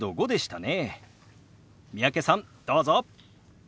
三宅さんどうぞ！